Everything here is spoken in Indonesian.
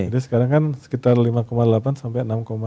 jadi sekarang kan sekitar lima delapan sampai enam dua